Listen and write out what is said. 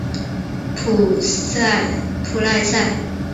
普赖萨。